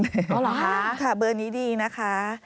อ๋อเหรอคะค่ะเบอร์นี้ดีนะคะ